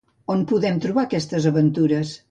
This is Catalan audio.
On podem trobar aquestes aventures?